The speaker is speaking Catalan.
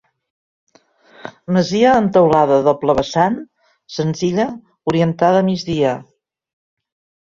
Masia amb teulada a doble vessant, senzilla, orientada a migdia.